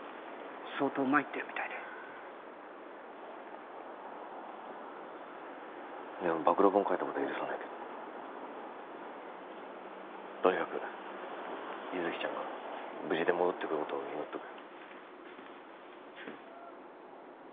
相当参ってるみたいででも暴露本書いたことは許さないけどとにかく優月ちゃんが無事で戻ってくることを祈っとくよ